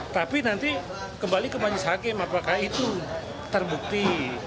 tapi nanti kembali ke majelis hakim apakah itu terbukti